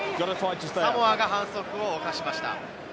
サモアが反則を犯しました。